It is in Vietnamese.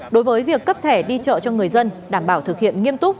đối với việc cấp thẻ đi chợ cho người dân đảm bảo thực hiện nghiêm túc